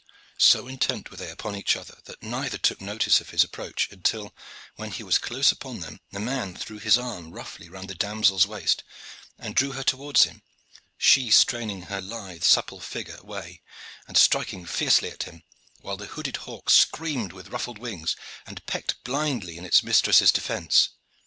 So intent were they upon each other that neither took note of his approach; until, when he was close upon them, the man threw his arm roughly round the damsel's waist and drew her towards him, she straining her lithe, supple figure away and striking fiercely at him, while the hooded hawk screamed with ruffled wings and pecked blindly in its mistress's defence.